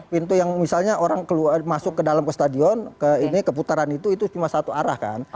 pintu yang misalnya orang masuk ke dalam ke stadion ke ini ke putaran itu itu cuma satu arah kan